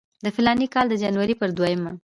د فلاني کال د جنورۍ پر دویمه.